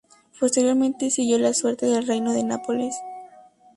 Posteriormente siguió la suerte del Reino de Nápoles.